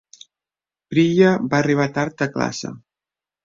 Priya va arribar tard a classe.